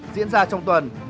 diễn ra trong tuần